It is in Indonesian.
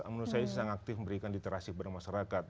menurut saya sangat aktif memberikan literasi kepada masyarakat